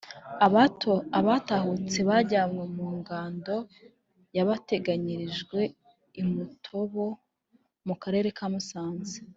Abatahutse bajyanywe mu ngando yabateganyirijwe i Mutobo mu Karere ka Musanze